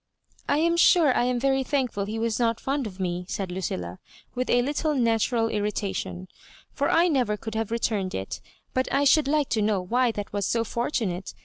''I am sure I am very thankful he was not fond of me," said Ludlla, with a little natural irritation, "for I never could 'have returned it But I should like to know why that was so for tunate.